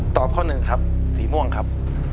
ตอบข้อ๑ครับสีม่วงครับ